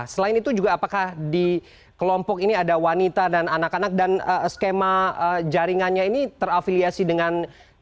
selain itu juga apakah di kelompok ini ada wanita dan anak anak dan skema jaringannya ini terafiliasi dengan